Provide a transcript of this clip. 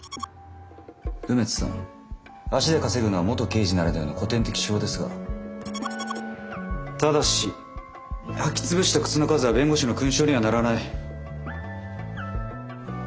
梅津さん足で稼ぐのは元刑事ならではの古典的手法ですがただし履き潰した靴の数は弁護士の勲章にはならない。